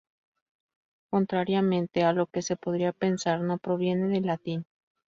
Contrariamente a lo que se podría pensar, no proviene del latín.